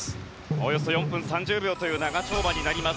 およそ４分３０秒という長丁場になります。